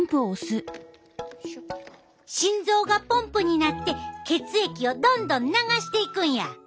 心臓がポンプになって血液をどんどん流していくんや。